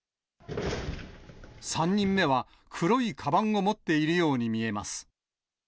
３人目は、黒いかばんを持っているように見えます。